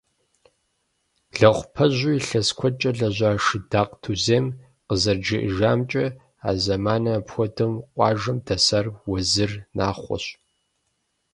Лэгъупэжьу илъэс куэдкӏэ лэжьа Шыдакъ Тузем къызэрыджиӏэжамкӏэ, а зэманым апхуэдэу къуажэм дэсар Уэзыр Нахъуэщ.